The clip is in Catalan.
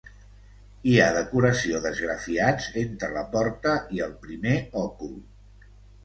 Hi ha decoració d'esgrafiats entre la porta i el primer òcul.